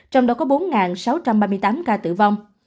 trong đó có bốn sáu trăm ba mươi tám ca tử vong